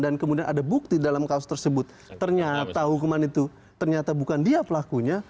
dan kemudian ada bukti dalam kasus tersebut ternyata hukuman itu ternyata bukan dia pelakunya